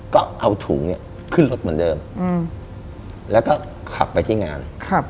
ก็เอาถุงเนี่ยขึ้นรถเหมือนเดิมแล้วก็ขับไปที่งาน